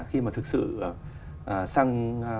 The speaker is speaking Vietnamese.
khi mà thực sự xăng